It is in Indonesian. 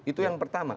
itu yang pertama